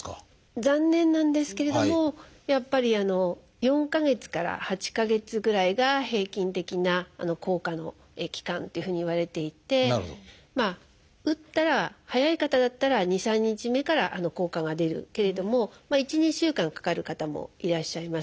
残念なんですけれどもやっぱり４か月から８か月ぐらいが平均的な効果の期間というふうにいわれていてまあ打ったら早い方だったら２３日目から効果が出るけれども１２週間かかる方もいらっしゃいます。